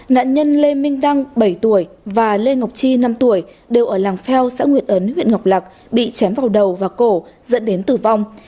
nạn nhân lê minh đăng bảy tuổi và lê ngọc chi năm tuổi đều ở làng pheo xã nguyệt ấn huyện ngọc lạc bị chém vào đầu và cổ dẫn đến tử vong